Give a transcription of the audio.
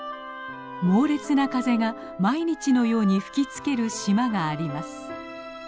猛烈な風が毎日のように吹きつける島があります。